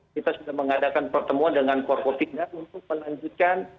kita sudah mengadakan pertemuan dengan korporat tidak untuk melanjutkan